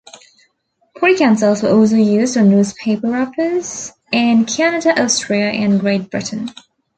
Precancels were also used on newspaper wrappers in Canada, Austria and Great Britain.